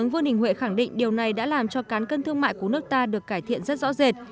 vương đình huệ khẳng định điều này đã làm cho cán cân thương mại của nước ta được cải thiện rất rõ rệt